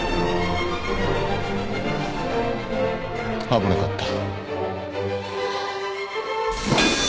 危なかった。